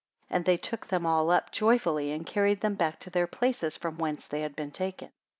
82 And they took them all up joyfully, and carried them back to their places from whence they had been taken.